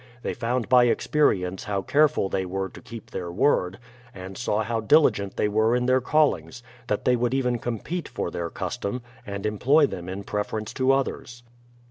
They found by experience how careful they were to keep their word, and saw how diligent they were in their callings, that they would even compete for their custom, and employ them in preference to others.